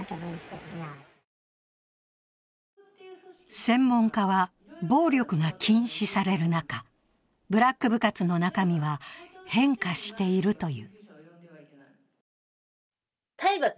専門家は暴力が禁止される中、ブラック部活の中身は変化しているという。